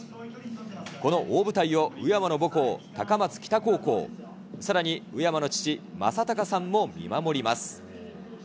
この大舞台を宇山の母校、高松北高校、さらに宇山の父、政孝さんも見守ります。